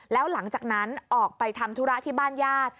แล้วหลังจากนั้นออกไปทำธุระที่บ้านญาติ